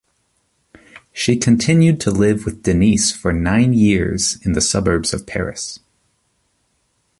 She continued to live with Denise for nine years in the suburbs of Paris.